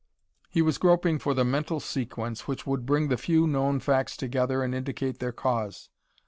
He was groping for the mental sequence which would bring the few known facts together and indicate their cause.